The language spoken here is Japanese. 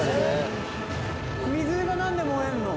水が何で燃えんの？